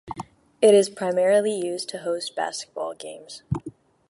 It is primarily used to host basketball games.